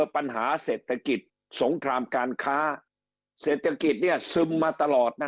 ปัญหาเศรษฐกิจสงครามการค้าเศรษฐกิจเนี่ยซึมมาตลอดนะ